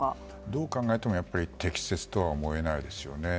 どう考えても適切とは思えないですよね。